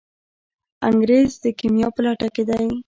انګریز د کیمیا په لټه کې دی.